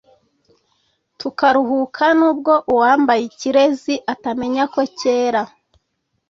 tukaruhuka nubwo uwambaye ikirezi atamenya ko kera!